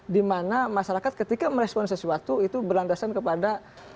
di mana masyarakat ketika merespon sesuatu itu berlandasan kepada